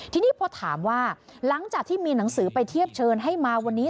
ทีนี้พอถามว่าหลังจากที่มีหนังสือไปเทียบเชิญให้มาวันนี้